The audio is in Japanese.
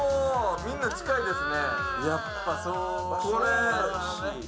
みんな近いですね。